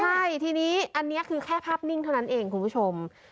ใช่ทีนี้อันนี้คือแค่ภาพนิ่งเท่านั้นเองคุณผู้ชม